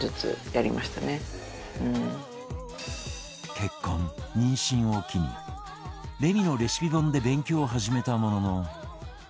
結婚妊娠を機にレミのレシピ本で勉強を始めたものの